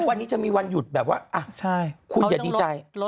วันนี้จะมีวันหยุดแบบว่าคุณอย่าดีใจ